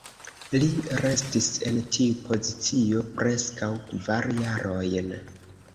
Li restis en tiu pozicio preskaŭ kvar jarojn.